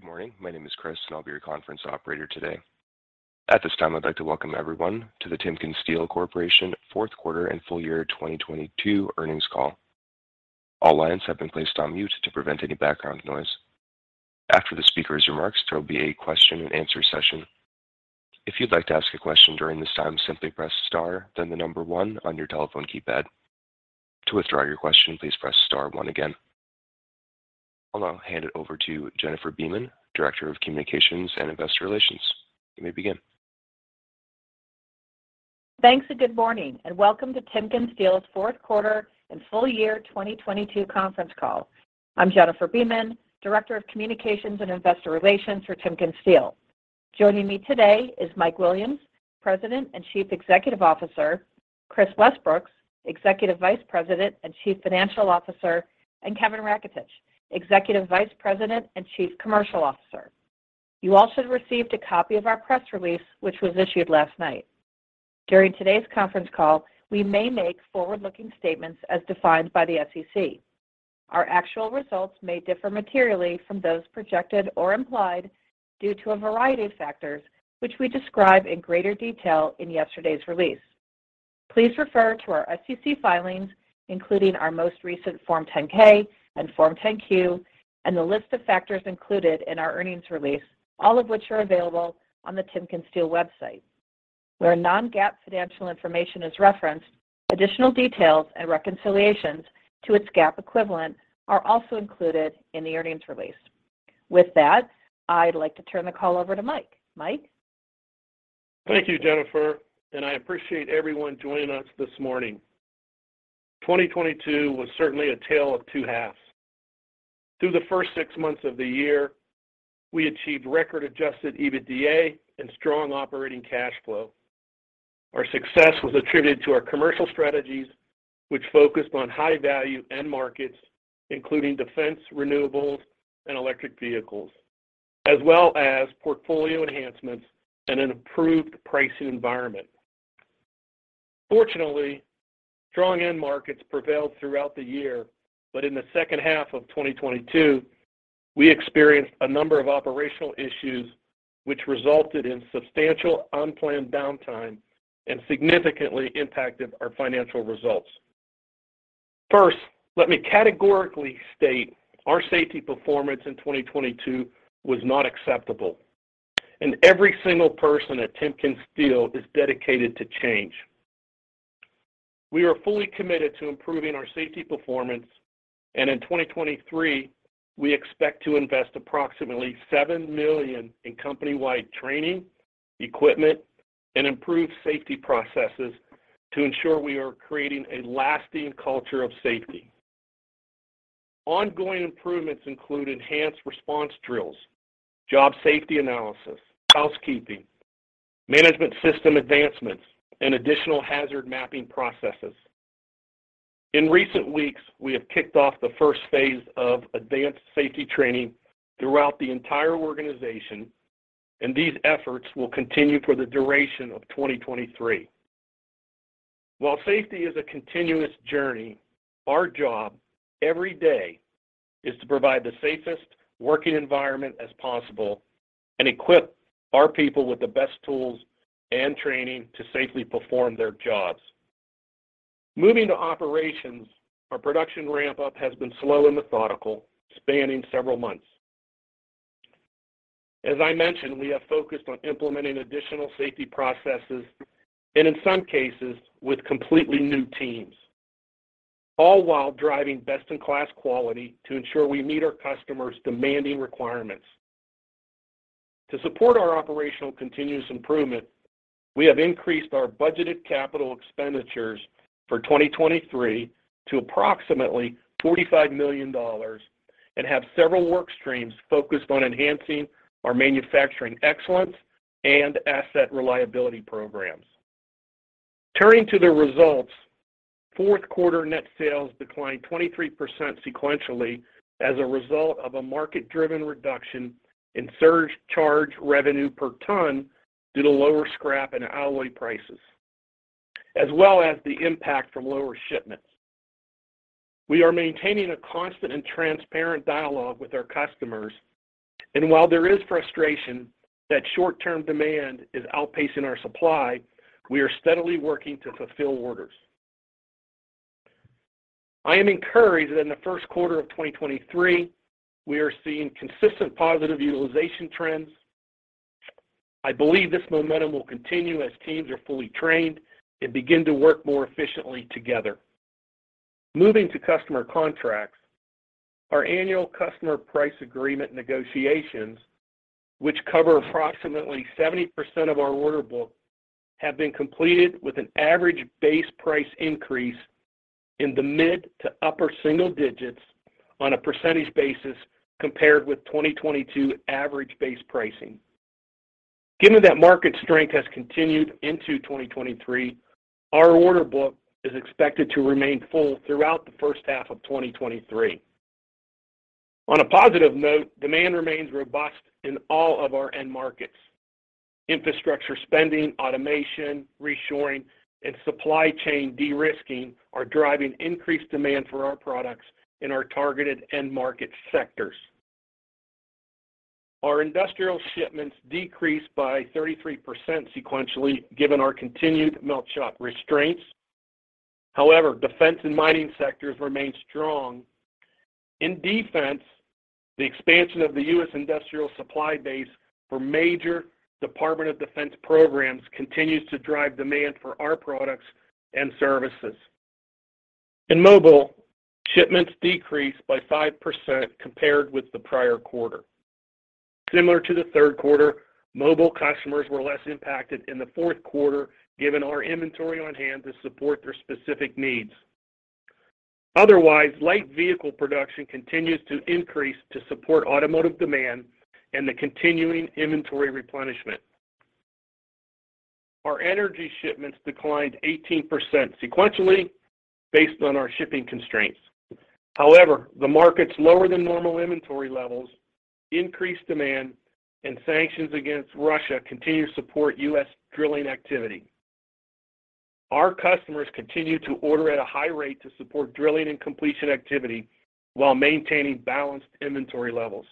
Good morning. My name is Chris, and I'll be your conference operator today. At this time, I'd like to welcome everyone to the TimkenSteel fourth quarter and full year 2022 earnings call. All lines have been placed on mute to prevent any background noise. After the speaker's remarks, there will be a question-and-answer session. If you'd like to ask a question during this time, simply press star, then the number one on your telephone keypad. To withdraw your question, please press star one again. I'll now hand it over to Jennifer Beeman, Director of Communications and Investor Relations. You may begin. Thanks, good morning, and welcome to TimkenSteel's fourth quarter and full year 2022 conference call. I'm Jennifer Beeman, Director of Communications and Investor Relations for TimkenSteel. Joining me today is Mike Williams, President and Chief Executive Officer, Kris Westbrooks, Executive Vice President and Chief Financial Officer, and Kevin Raketich, Executive Vice President and Chief Commercial Officer. You all should have received a copy of our press release, which was issued last night. During today's conference call, we may make forward-looking statements as defined by the SEC. Our actual results may differ materially from those projected or implied due to a variety of factors, which we describe in greater detail in yesterday's release. Please refer to our SEC filings, including our most recent Form 10-K and Form 10-Q, and the list of factors included in our earnings release, all of which are available on the TimkenSteel website. Where non-GAAP financial information is referenced, additional details and reconciliations to its GAAP equivalent are also included in the earnings release. With that, I'd like to turn the call over to Mike. Mike? Thank you, Jennifer. I appreciate everyone joining us this morning. 2022 was certainly a tale of two halves. Through the first six months of the year, we achieved record-adjusted EBITDA and strong operating cash flow. Our success was attributed to our commercial strategies, which focused on high-value end markets, including defense, renewables, and electric vehicles, as well as portfolio enhancements and an improved pricing environment. Fortunately, strong end markets prevailed throughout the year, but in the second half of 2022, we experienced a number of operational issues which resulted in substantial unplanned downtime and significantly impacted our financial results. First, let me categorically state our safety performance in 2022 was not acceptable. Every single person at TimkenSteel is dedicated to change. We are fully committed to improving our safety performance. In 2023, we expect to invest approximately $7 million in company-wide training, equipment, and improved safety processes to ensure we are creating a lasting culture of safety. Ongoing improvements include enhanced response drills, job safety analysis, housekeeping, management system advancements, and additional hazard mapping processes. In recent weeks, we have kicked off the first phase of advanced safety training throughout the entire organization. These efforts will continue for the duration of 2023. While safety is a continuous journey, our job every day is to provide the safest working environment as possible and equip our people with the best tools and training to safely perform their jobs. Moving to operations, our production ramp-up has been slow and methodical, spanning several months. As I mentioned, we have focused on implementing additional safety processes, in some cases, with completely new teams, all while driving best-in-class quality to ensure we meet our customers' demanding requirements. To support our operational continuous improvement, we have increased our budgeted capital expenditures for 2023 to approximately $45 million and have several work streams focused on enhancing our manufacturing excellence and asset reliability programs. Turning to the results, fourth quarter net sales declined 23% sequentially as a result of a market-driven reduction in surcharge revenue per ton due to lower scrap and alloy prices, as well as the impact from lower shipments. We are maintaining a constant and transparent dialogue with our customers, while there is frustration that short-term demand is outpacing our supply, we are steadily working to fulfill orders. I am encouraged that in the first quarter of 2023, we are seeing consistent positive utilization trends. I believe this momentum will continue as teams are fully trained and begin to work more efficiently together. Moving to customer contracts, our annual customer price agreement negotiations, which cover approximately 70% of our order book, have been completed with an average base price increase in the mid to upper single digits on a percentage basis compared with 2022 average base pricing. Given that market strength has continued into 2023, our order book is expected to remain full throughout the first half of 2023. On a positive note, demand remains robust in all of our end markets. Infrastructure spending, automation, reshoring, and supply chain de-risking are driving increased demand for our products in our targeted end market sectors. Our industrial shipments decreased by 33% sequentially, given our continued melt shop restraints. However, defense and mining sectors remain strong. In defense, the expansion of the U.S. industrial supply base for major Department of Defense programs continues to drive demand for our products and services. In mobile, shipments decreased by 5% compared with the prior quarter. Similar to the third quarter, mobile customers were less impacted in the fourth quarter given our inventory on hand to support their specific needs. Otherwise, light vehicle production continues to increase to support automotive demand and the continuing inventory replenishment. Our energy shipments declined 18% sequentially based on our shipping constraints. However, the market's lower than normal inventory levels increased demand, and sanctions against Russia continue to support U.S. drilling activity. Our customers continue to order at a high rate to support drilling and completion activity while maintaining balanced inventory levels.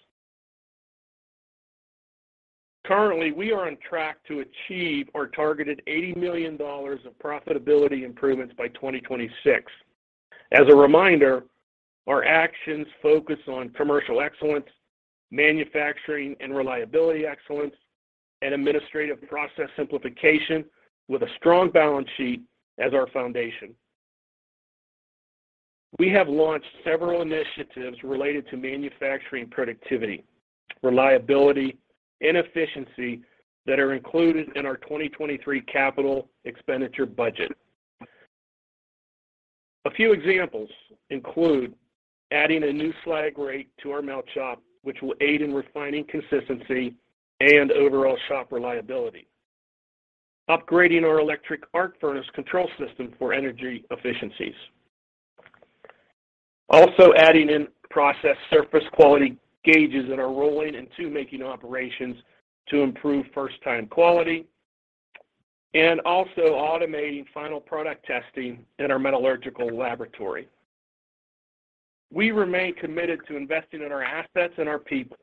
Currently, we are on track to achieve our targeted $80 million of profitability improvements by 2026. As a reminder, our actions focus on commercial excellence, manufacturing and reliability excellence, and administrative process simplification with a strong balance sheet as our foundation. We have launched several initiatives related to manufacturing productivity, reliability, and efficiency that are included in our 2023 capital expenditure budget. A few examples include adding a new slag rake to our melt shop, which will aid in refining consistency and overall shop reliability. Upgrading our electric arc furnace control system for energy efficiencies. Adding in-process surface quality gauges that are rolling in tool making operations to improve first-time quality, and also automating final product testing in our metallurgical laboratory. We remain committed to investing in our assets and our people,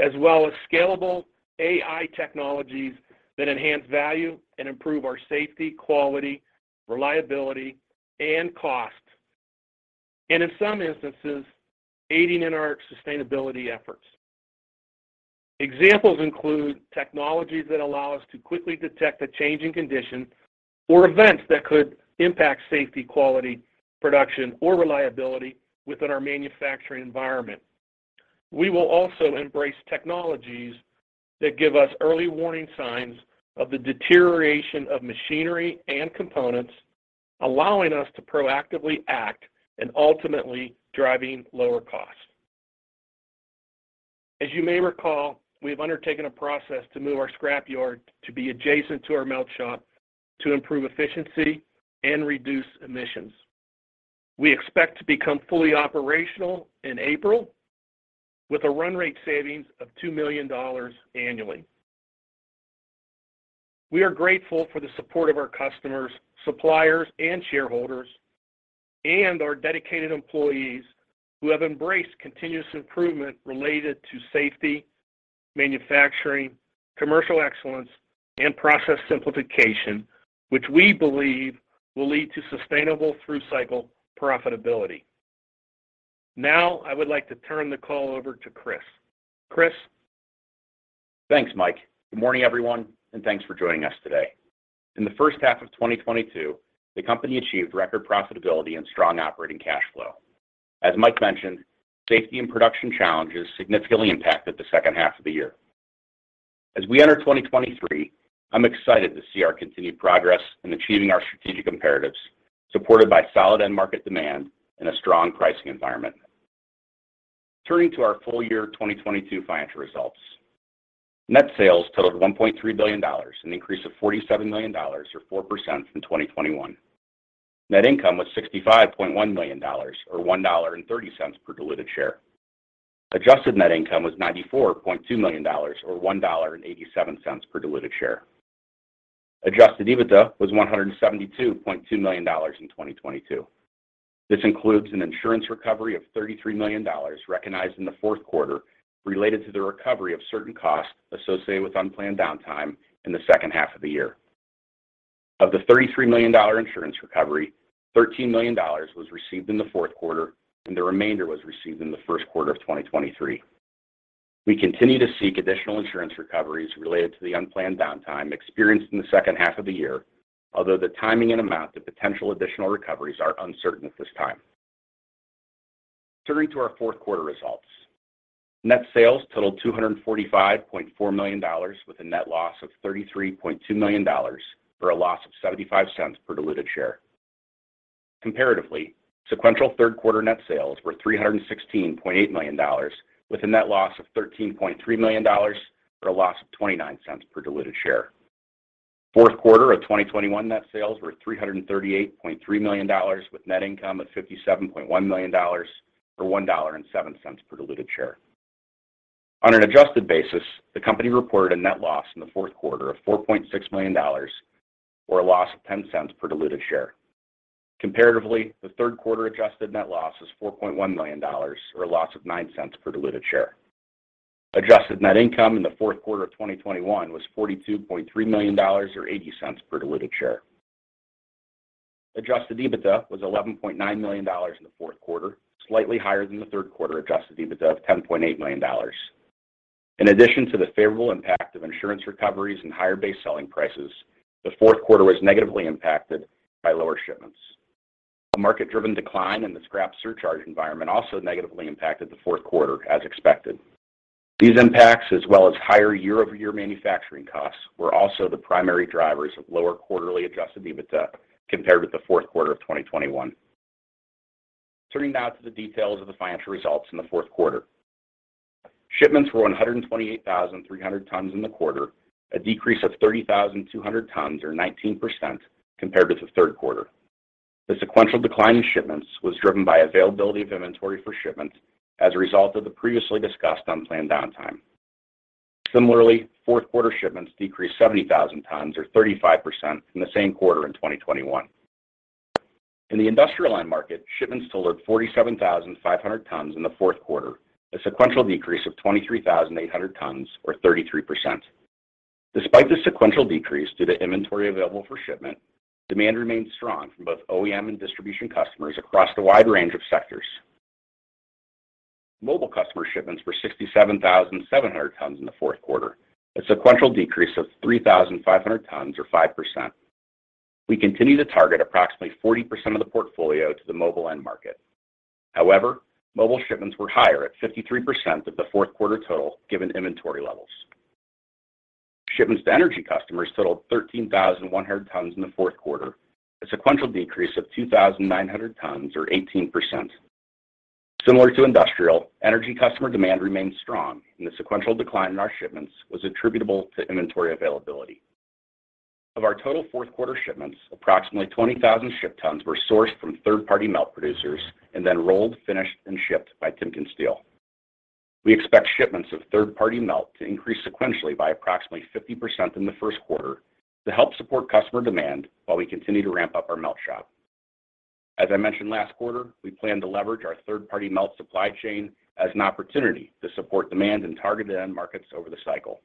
as well as scalable AI technologies that enhance value and improve our safety, quality, reliability, and cost. In some instances, aiding in our sustainability efforts. Examples include technologies that allow us to quickly detect a change in condition or events that could impact safety, quality, production, or reliability within our manufacturing environment. We will also embrace technologies that give us early warning signs of the deterioration of machinery and components, allowing us to proactively act and ultimately driving lower costs. As you may recall, we've undertaken a process to move our scrap yard to be adjacent to our melt shop to improve efficiency and reduce emissions. We expect to become fully operational in April with a run rate savings of $2 million annually. We are grateful for the support of our customers, suppliers, and shareholders, and our dedicated employees who have embraced continuous improvement related to safety, manufacturing, commercial excellence, and process simplification, which we believe will lead to sustainable through-cycle profitability. Now, I would like to turn the call over to Kris. Kris? Thanks, Mike. Good morning, everyone, and thanks for joining us today. In the first half of 2022, the company achieved record profitability and strong operating cash flow. As Mike mentioned, safety and production challenges significantly impacted the second half of the year. As we enter 2023, I'm excited to see our continued progress in achieving our strategic imperatives, supported by solid end market demand and a strong pricing environment. Turning to our full year 2022 financial results. Net sales totaled $1.3 billion, an increase of $47 million or 4% from 2021. Net income was $65.1 million or $1.30 per diluted share. Adjusted net income was $94.2 million or $1.87 per diluted share. Adjusted EBITDA was $172.2 million in 2022. This includes an insurance recovery of $33 million recognized in the fourth quarter related to the recovery of certain costs associated with unplanned downtime in the second half of the year. Of the $33 million insurance recovery, $13 million was received in the fourth quarter, and the remainder was received in the first quarter of 2023. We continue to seek additional insurance recoveries related to the unplanned downtime experienced in the second half of the year. The timing and amount of potential additional recoveries are uncertain at this time. Turning to our fourth quarter results. Net sales totaled $245.4 million with a net loss of $33.2 million for a loss of $0.75 per diluted share. Comparatively, sequential third quarter net sales were $316.8 million with a net loss of $13.3 million for a loss of $0.29 per diluted share. Fourth quarter of 2021 net sales were $338.3 million with net income of $57.1 million or $1.07 per diluted share. On an adjusted basis, the company reported a net loss in the fourth quarter of $4.6 million or a loss of $0.10 per diluted share. Comparatively, the third quarter adjusted net loss was $4.1 million or a loss of $0.09 per diluted share. Adjusted net income in the fourth quarter of 2021 was $42.3 million or $0.80 per diluted share. Adjusted EBITDA was $11.9 million in the fourth quarter, slightly higher than the third quarter adjusted EBITDA of $10.8 million. In addition to the favorable impact of insurance recoveries and higher base selling prices, the fourth quarter was negatively impacted by lower shipments. A market-driven decline in the scrap surcharge environment also negatively impacted the fourth quarter as expected. These impacts, as well as higher year-over-year manufacturing costs, were also the primary drivers of lower quarterly adjusted EBITDA compared with the fourth quarter of 2021. Turning now to the details of the financial results in the fourth quarter. Shipments were 128,300 tons in the quarter, a decrease of 30,200 tons or 19% compared to the third quarter. The sequential decline in shipments was driven by availability of inventory for shipments as a result of the previously discussed unplanned downtime. Similarly, fourth quarter shipments decreased 70,000 tons or 35% from the same quarter in 2021. In the industrial line market, shipments totaled 47,500 tons in the fourth quarter, a sequential decrease of 23,800 tons or 33%. Despite the sequential decrease due to inventory available for shipment, demand remained strong from both OEM and distribution customers across the wide range of sectors. Mobile customer shipments were 67,700 tons in the fourth quarter, a sequential decrease of 3,500 tons or 5%. We continue to target approximately 40% of the portfolio to the mobile end market. However, mobile shipments were higher at 53% of the fourth quarter total given inventory levels. Shipments to energy customers totaled 13,100 tons in the fourth quarter, a sequential decrease of 2,900 tons or 18%. Similar to industrial, energy customer demand remained strong, the sequential decline in our shipments was attributable to inventory availability. Of our total fourth quarter shipments, approximately 20,000 ship tons were sourced from third-party melt producers and then rolled, finished, and shipped by TimkenSteel. We expect shipments of third-party melt to increase sequentially by approximately 50% in the first quarter to help support customer demand while we continue to ramp up our melt shop. As I mentioned last quarter, we plan to leverage our third-party melt supply chain as an opportunity to support demand in targeted end markets over the cycle.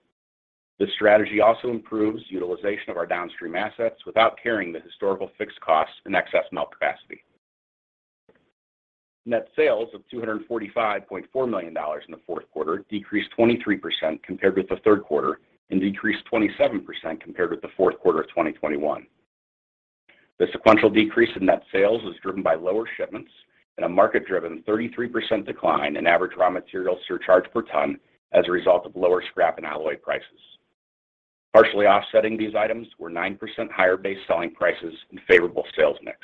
This strategy also improves utilization of our downstream assets without carrying the historical fixed costs and excess melt capacity. Net sales of $245.4 million in the fourth quarter decreased 23% compared with the third quarter and decreased 27% compared with the fourth quarter of 2021. The sequential decrease in net sales was driven by lower shipments and a market-driven 33% decline in average raw material surcharge per ton as a result of lower scrap and alloy prices. Partially offsetting these items were 9% higher base selling prices and favorable sales mix.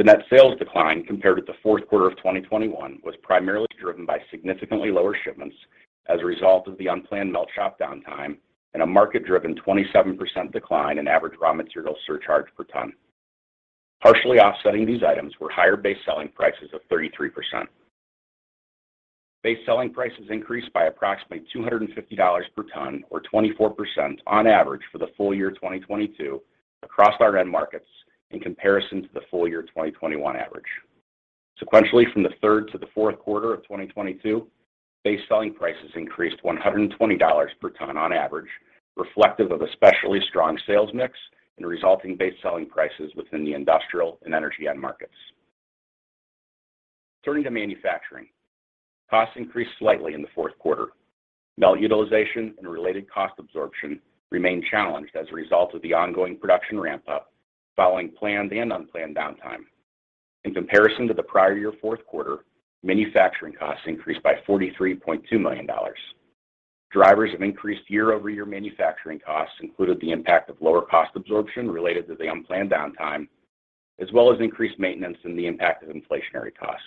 The net sales decline compared with the fourth quarter of 2021 was primarily driven by significantly lower shipments as a result of the unplanned melt shop downtime and a market-driven 27% decline in average raw material surcharge per ton. Partially offsetting these items were higher base selling prices of 33%. Base selling prices increased by approximately $250 per ton or 24% on average for the full year 2022 across our end markets in comparison to the full year 2021 average. Sequentially from the third to the fourth quarter of 2022, base selling prices increased $120 per ton on average, reflective of especially strong sales mix and resulting base selling prices within the industrial and energy end markets. Turning to manufacturing, costs increased slightly in the fourth quarter. Melt utilization and related cost absorption remained challenged as a result of the ongoing production ramp up following planned and unplanned downtime. In comparison to the prior year fourth quarter, manufacturing costs increased by $43.2 million. Drivers of increased year-over-year manufacturing costs included the impact of lower cost absorption related to the unplanned downtime, as well as increased maintenance and the impact of inflationary costs.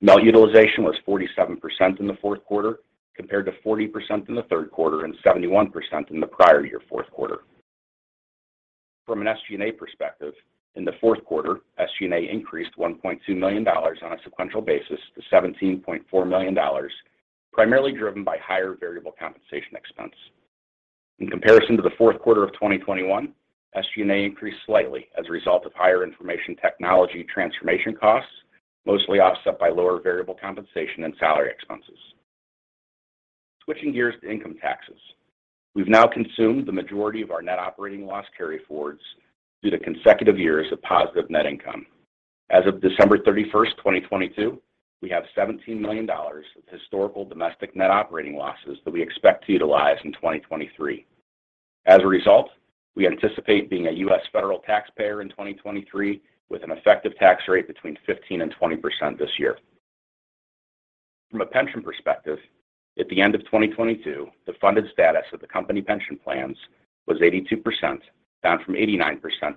Melt utilization was 47% in the fourth quarter compared to 40% in the third quarter and 71% in the prior year fourth quarter. From an SG&A perspective, in the fourth quarter, SG&A increased $1.2 million on a sequential basis to $17.4 million, primarily driven by higher variable compensation expense. In comparison to the fourth quarter of 2021, SG&A increased slightly as a result of higher information technology transformation costs, mostly offset by lower variable compensation and salary expenses. Switching gears to income taxes, we've now consumed the majority of our net operating loss carryforwards due to consecutive years of positive net income. As of December 31st, 2022, we have $17 million of historical domestic net operating losses that we expect to utilize in 2023. As a result, we anticipate being a U.S. federal taxpayer in 2023 with an effective tax rate between 15% and 20% this year. From a pension perspective, at the end of 2022, the funded status of the company pension plans was 82%, down from 89%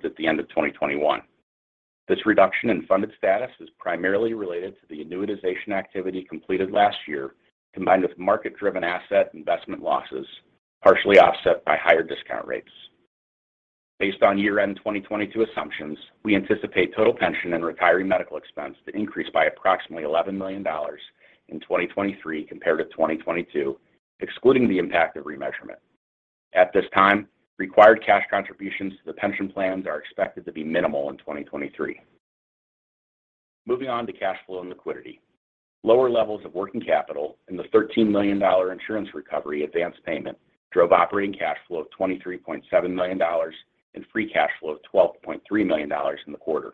at the end of 2021. This reduction in funded status is primarily related to the annuitization activity completed last year, combined with market-driven asset investment losses, partially offset by higher discount rates. Based on year-end 2022 assumptions, we anticipate total pension and retiree medical expense to increase by approximately $11 million in 2023 compared to 2022, excluding the impact of remeasurement. At this time, required cash contributions to the pension plans are expected to be minimal in 2023. Moving on to cash flow and liquidity. Lower levels of working capital and the $13 million insurance recovery advance payment drove operating cash flow of $23.7 million and free cash flow of $12.3 million in the quarter.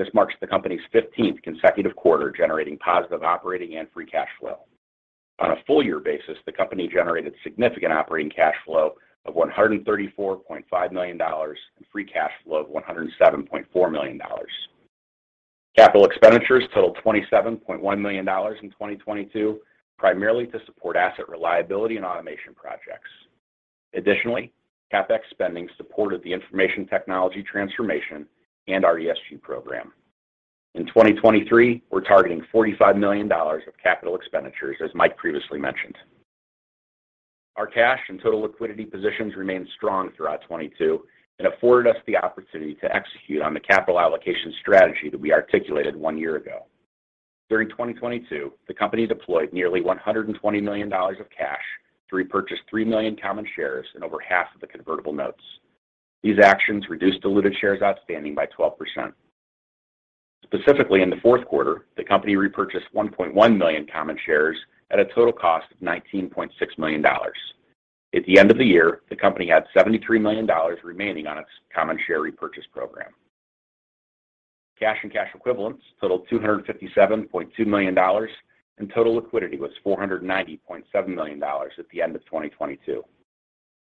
This marks the company's 15th consecutive quarter generating positive operating and free cash flow. On a full year basis, the company generated significant operating cash flow of $134.5 million and free cash flow of $107.4 million. Capital expenditures totaled $27.1 million in 2022, primarily to support asset reliability and automation projects. Additionally, CapEx spending supported the information technology transformation and our ESG program. In 2023, we're targeting $45 million of capital expenditures, as Mike previously mentioned. Our cash and total liquidity positions remained strong throughout 2022 and afforded us the opportunity to execute on the capital allocation strategy that we articulated one year ago. During 2022, the company deployed nearly $120 million of cash to repurchase 3 million common shares and over half of the convertible notes. These actions reduced diluted shares outstanding by 12%. Specifically, in the fourth quarter, the company repurchased 1.1 million common shares at a total cost of $19.6 million. At the end of the year, the company had $73 million remaining on its common share repurchase program. Cash and cash equivalents totaled $257.2 million, total liquidity was $490.7 million at the end of 2022.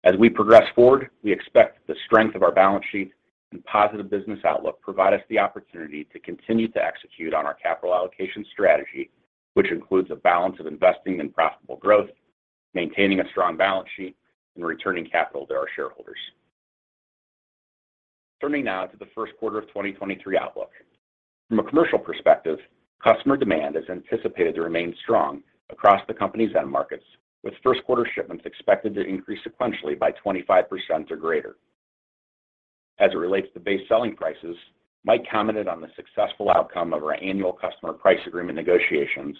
As we progress forward, we expect the strength of our balance sheet and positive business outlook provide us the opportunity to continue to execute on our capital allocation strategy, which includes a balance of investing in profitable growth, maintaining a strong balance sheet, and returning capital to our shareholders. Turning now to the first quarter of 2023 outlook. From a commercial perspective, customer demand is anticipated to remain strong across the company's end markets, with first quarter shipments expected to increase sequentially by 25% or greater. As it relates to base selling prices, Mike commented on the successful outcome of our annual customer price agreement negotiations,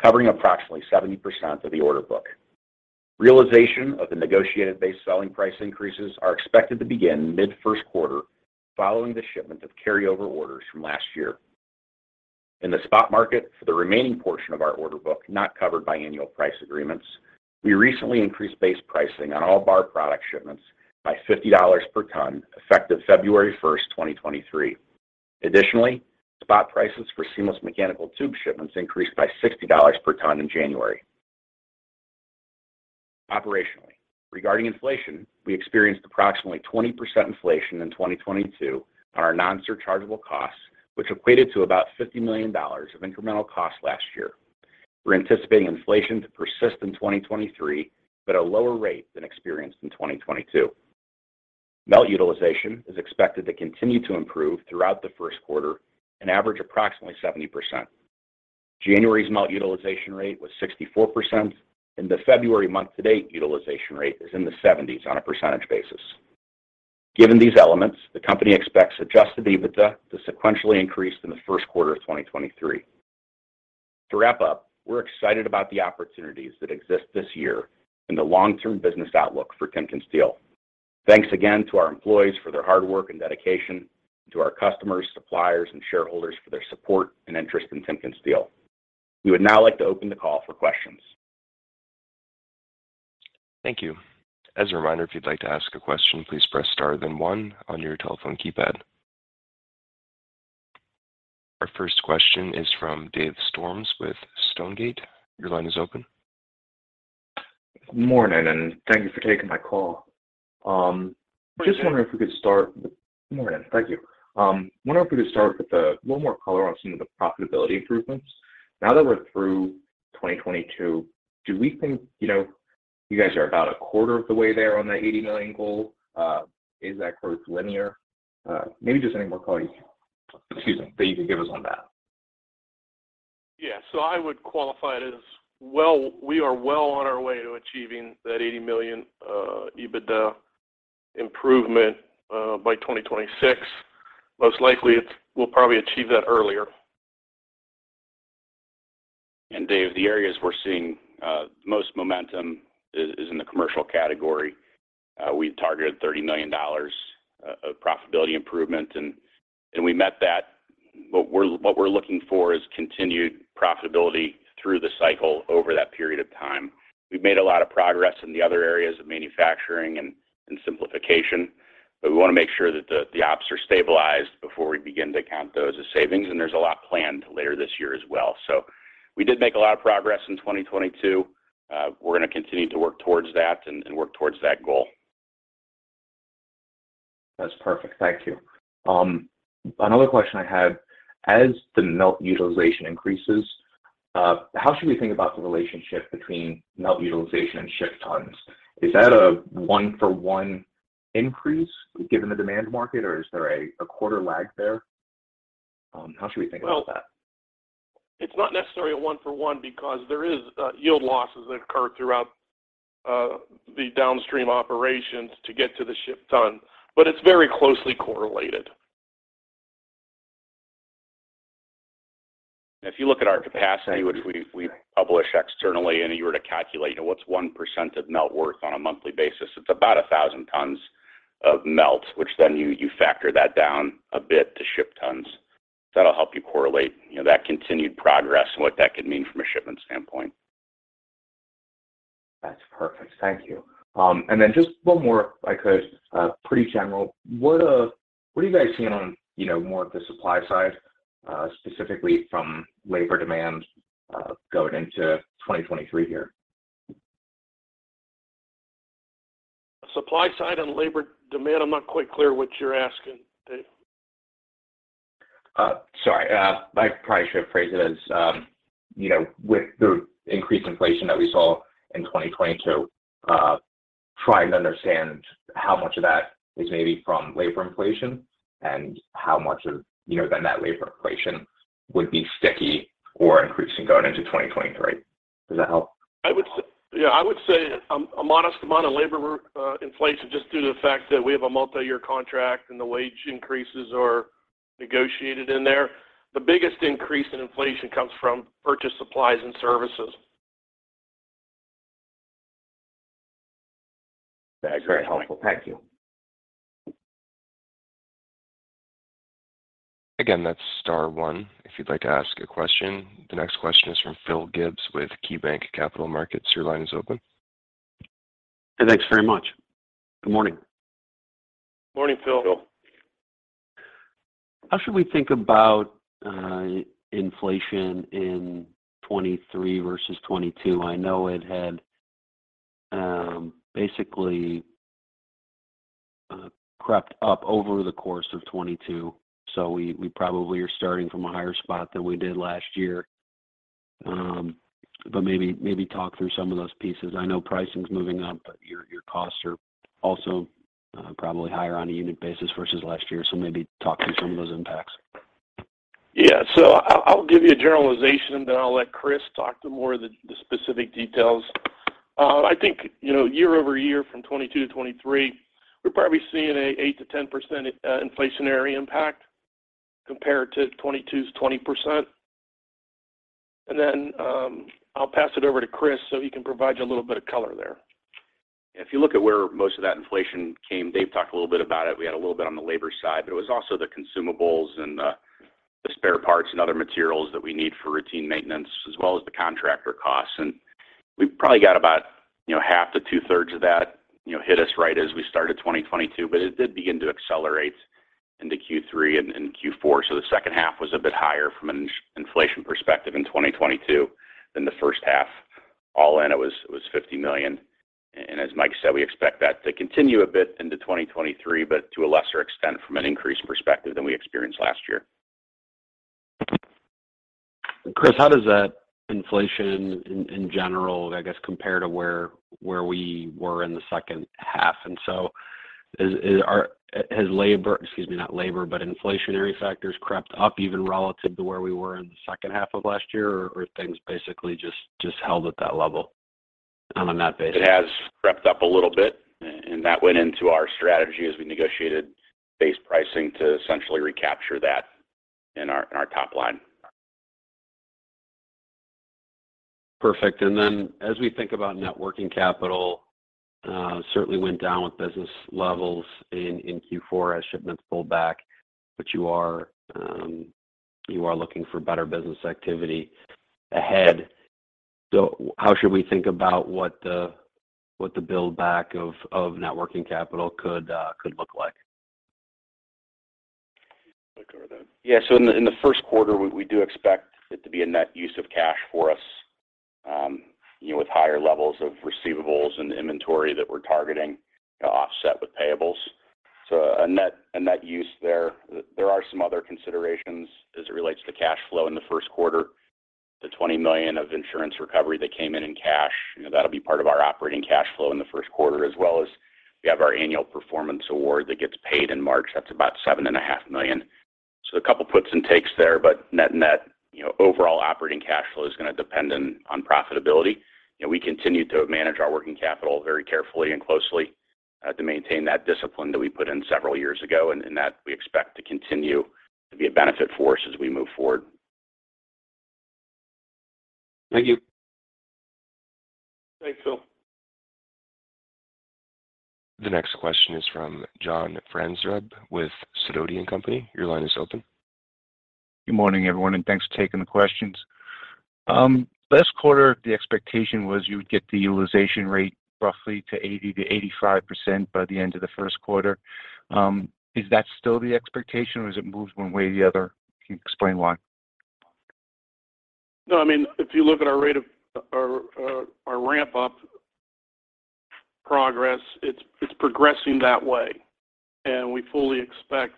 covering approximately 70% of the order book. Realization of the negotiated base selling price increases are expected to begin mid-first quarter, following the shipment of carryover orders from last year. In the spot market for the remaining portion of our order book not covered by annual price agreements, we recently increased base pricing on all bar product shipments by $50 per ton, effective February 1st, 2023. Additionally, spot prices for seamless mechanical tubing shipments increased by $60 per ton in January. Operationally, regarding inflation, we experienced approximately 20% inflation in 2022 on our non-surchargeable costs, which equated to about $50 million of incremental cost last year. We're anticipating inflation to persist in 2023, but at a lower rate than experienced in 2022. Melt utilization is expected to continue to improve throughout the first quarter and average approximately 70%. January's melt utilization rate was 64%, The February month-to-date utilization rate is in the 70s on a percentage basis. Given these elements, the company expects adjusted EBITDA to sequentially increase in the first quarter of 2023. To wrap up, we're excited about the opportunities that exist this year in the long-term business outlook for Metallus. Thanks again to our employees for their hard work and dedication. To our customers, suppliers, and shareholders for their support and interest in Metallus. We would now like to open the call for questions. Thank you. As a reminder, if you'd like to ask a question, please press star one on your telephone keypad. Our first question is from Dave Storms with Stonegate. Your line is open. Morning, and thank you for taking my call. Good morning. Morning. Thank you. Wonder if we could start with one more color on some of the profitability improvements. Now that we're through 2022, do we think, you know, you guys are about a quarter of the way there on that $80 million goal? Is that growth linear? Maybe just any more color you, excuse me, that you can give us on that. I would qualify it as we are well on our way to achieving that $80 million EBITDA improvement by 2026. Most likely, we'll probably achieve that earlier. Dave, the areas we're seeing most momentum is in the commercial category. We targeted $30 million of profitability improvement, and we met that. What we're looking for is continued profitability through the cycle over that period of time. We've made a lot of progress in the other areas of manufacturing and simplification, but we want to make sure that the ops are stabilized before we begin to count those as savings, there's a lot planned later this year as well. We did make a lot of progress in 2022. We're going to continue to work towards that and work towards that goal. That's perfect. Thank you. Another question I had. As the melt utilization increases, how should we think about the relationship between melt utilization and shipped tons? Is that a one for one increase given the demand market, or is there a quarter lag there? How should we think about that? It's not necessarily a one for one because there is, yield losses that occur throughout, the downstream operations to get to the shipped ton, but it's very closely correlated. If you look at our capacity, which we publish externally, and you were to calculate, you know, what's 1% of melt worth on a monthly basis, it's about 1,000 tons of melt, which then you factor that down a bit to shipped tons. That'll help you correlate, you know, that continued progress and what that could mean from a shipment standpoint. That's perfect, thank you. Just one more if I could. Pretty general. What are you guys seeing on, you know, more of the supply side, specifically from labor demand, going into 2023 here? Supply side and labor demand, I'm not quite clear what you're asking, Dave. Sorry. I probably should have phrased it as, you know, with the increased inflation that we saw in 2022, trying to understand how much of that is maybe from labor inflation and how much of, you know, then that labor inflation would be sticky or increasing going into 2023. Does that help? I would say yeah, a modest amount of labor inflation just due to the fact that we have a multi-year contract and the wage increases are negotiated in there. The biggest increase in inflation comes from purchased supplies and services. That's very helpful. Thank you. Again, that's star one if you'd like to ask a question. The next question is from Phil Gibbs with KeyBanc Capital Markets. Your line is open. Hey, thanks very much. Good morning. Morning, Phil. Phil. How should we think about inflation in 2023 versus 2022? I know it had basically crept up over the course of 2022. We probably are starting from a higher spot than we did last year. Maybe talk through some of those pieces. I know pricing's moving up, but your costs are also probably higher on a unit basis versus last year. Maybe talk through some of those impacts. Yeah. I'll give you a generalization, then I'll let Chris talk to more of the specific details. I think, you know, year-over-year from 2022 to 2023, we're probably seeing a 8%-10% inflationary impact compared to 2022's 20%. I'll pass it over to Chris so he can provide you a little bit of color there. If you look at where most of that inflation came, Dave talked a little bit about it. We had a little bit on the labor side, but it was also the consumables and the spare parts and other materials that we need for routine maintenance as well as the contractor costs. We've probably got about, you know, half to two-thirds of that, you know, hit us right as we started 2022, but it did begin to accelerate into Q3 and Q4. The second half was a bit higher from an in-inflation perspective in 2022 than the first half. All in it was $50 million. As Mike said, we expect that to continue a bit into 2023, but to a lesser extent from an increase perspective than we experienced last year. Chris, how does that inflation in general I guess compare to where we were in the second half? Has labor, excuse me, not labor, but inflationary factors crept up even relative to where we were in the second half of last year, or things basically just held at that level on that basis? It has crept up a little bit, and that went into our strategy as we negotiated base pricing to essentially recapture that in our top line. Perfect. As we think about net working capital, certainly went down with business levels in Q4 as shipments pulled back. You are looking for better business activity ahead. How should we think about what the build back of net working capital could look like? You can take over that. Yeah. In the first quarter, we do expect it to be a net use of cash for us, you know, with higher levels of receivables and inventory that we're targeting to offset with payables. A net use there. There are some other considerations as it relates to cash flow in the first quarter. The $20 million of insurance recovery that came in in cash, you know, that'll be part of our operating cash flow in the first quarter, as well as we have our annual performance award that gets paid in March. That's about $7.5 million. A couple puts and takes there, but net net, you know, overall operating cash flow is gonna depend on profitability. You know, we continue to manage our working capital very carefully and closely, to maintain that discipline that we put in several years ago, and that we expect to continue to be a benefit for us as we move forward. Thank you. Thanks, Phil. The next question is from John Franzreb with Sidoti & Company. Your line is open. Good morning, everyone, and thanks for taking the questions. Last quarter, the expectation was you would get the utilization rate roughly to 80%-85% by the end of the first quarter. Is that still the expectation, or has it moved one way or the other? Can you explain why? No, I mean, if you look at our rate of our ramp-up progress, it's progressing that way, and we fully expect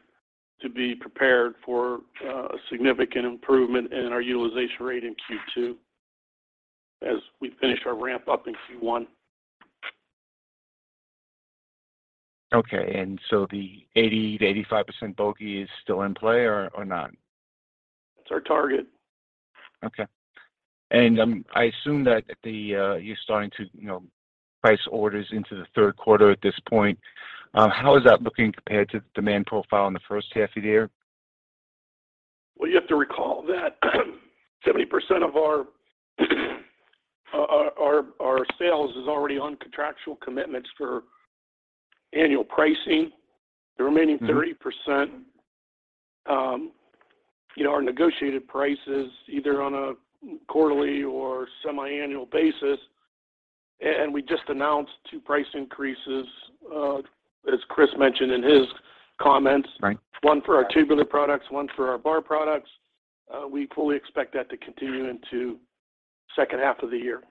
to be prepared for a significant improvement in our utilization rate in Q2 as we finish our ramp-up in Q1. Okay. The 80%-85% bogey is still in play or not? It's our target. Okay. I assume that the, you're starting to, you know, price orders into the third quarter at this point. How is that looking compared to the demand profile in the first half of the year? Well, you have to recall that 70% of our sales is already on contractual commitments for annual pricing. Mm-hmm. The remaining 30%, you know, are negotiated prices either on a quarterly or semiannual basis. We just announced two price increases, as Chris mentioned in his comments. Right. One for our tubular products, one for our bar products. We fully expect that to continue into second half of the year.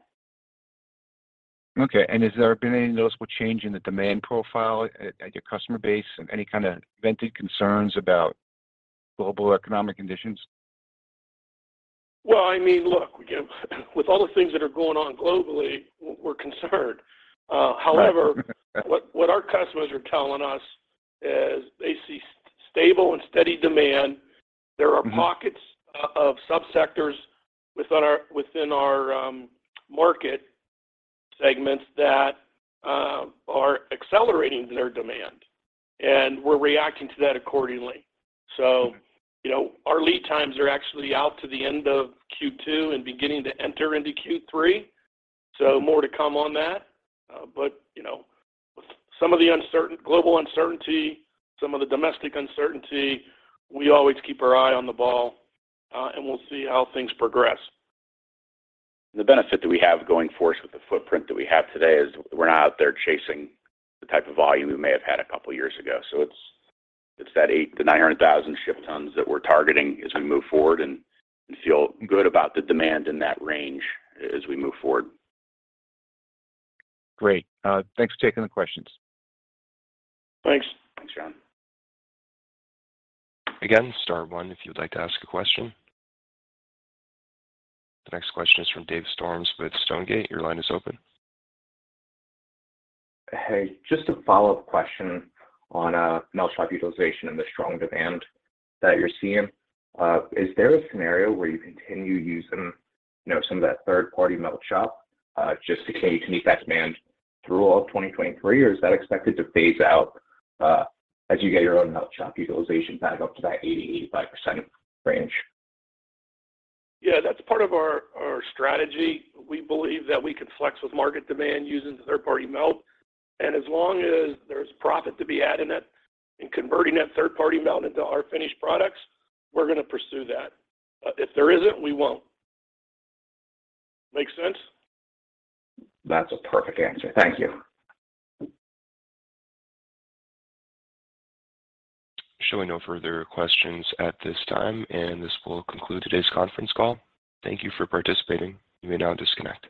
Okay. Has there been any noticeable change in the demand profile at your customer base? Any kind of vented concerns about global economic conditions? Well, I mean, look, with all the things that are going on globally, we're concerned. Right. what our customers are telling us is they see stable and steady demand. Mm-hmm. There are pockets of subsectors within our, within our market segments that are accelerating their demand, and we're reacting to that accordingly. You know, our lead times are actually out to the end of Q2 and beginning to enter into Q3. More to come on that. You know, some of the global uncertainty, some of the domestic uncertainty, we always keep our eye on the ball, and we'll see how things progress. The benefit that we have going forward with the footprint that we have today is we're not out there chasing the type of volume we may have had a couple years ago. It's that 800,000-900,000 ship tons that we're targeting as we move forward and feel good about the demand in that range as we move forward. Great. Thanks for taking the questions. Thanks. Thanks, John. Again, star one if you would like to ask a question. The next question is from Dave Storms with Stonegate. Your line is open. Hey, just a follow-up question on melt shop utilization and the strong demand that you're seeing. Is there a scenario where you continue using, you know, some of that third-party melt shop, just in case you need that demand through all of 2023, or is that expected to phase out as you get your own melt shop utilization back up to that 80%-85% range? Yeah. That's part of our strategy. We believe that we can flex with market demand using third-party melt. As long as there's profit to be had in it, in converting that third-party melt into our finished products, we're gonna pursue that. If there isn't, we won't. Make sense? That's a perfect answer. Thank you. Showing no further questions at this time, this will conclude today's conference call. Thank you for participating. You may now disconnect.